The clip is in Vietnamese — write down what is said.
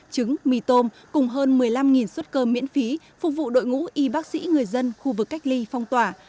trứng mì tôm cùng hơn một mươi năm xuất cơ miễn phí phục vụ đội ngũ y bác sĩ người dân khu vực cách ly phong tỏa